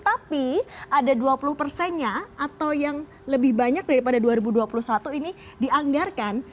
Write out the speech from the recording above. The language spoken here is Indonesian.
tapi ada dua puluh persennya atau yang lebih banyak daripada dua ribu dua puluh satu ini dianggarkan